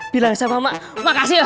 bilang sama emak makasih ya han